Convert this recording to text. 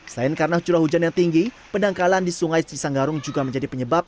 selain karena curah hujan yang tinggi pendangkalan di sungai cisanggarung juga menjadi penyebab